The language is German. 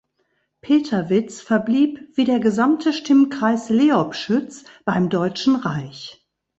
Peterwitz verblieb wie der gesamte Stimmkreis Leobschütz beim Deutschen Reich.